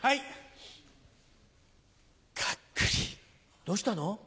どうしたの？